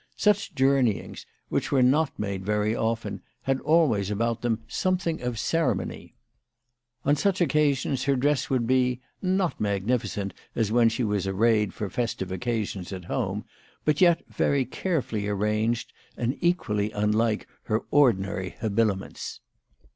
Such journey ings, which were not made very often, had always about them something of ceremony. On such occasions her dress would be, not magnificent as when she was arrayed for festive occasions at home, but yet very carefully arranged and equally unlike her ordinary habiliments.